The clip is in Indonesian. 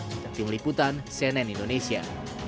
kita tim liputan cnn indonesia